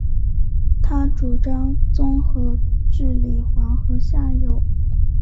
他主张综合治理黄河下游。